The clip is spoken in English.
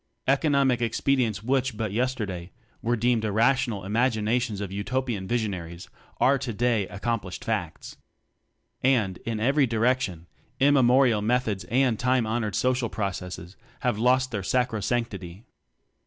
Eco nomic expedients which but yester day were deemed irrational imagina tions of Utopian visionaries are today accomplished facts. And in every di rection immemorial methods and time honored social processes have lost their sacrosanctity.